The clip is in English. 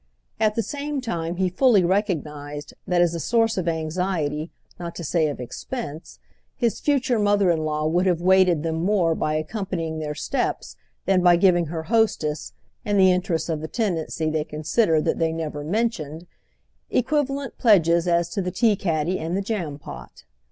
At the same time he fully recognised that as a source of anxiety, not to say of expense, his future mother in law would have weighted them more by accompanying their steps than by giving her hostess, in the interest of the tendency they considered that they never mentioned, equivalent pledges as to the tea caddy and the jam pot.